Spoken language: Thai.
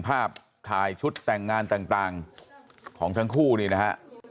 ภาพถ่ายชุดแต่งงานต่างของทั้งคู่นี่นะฮะ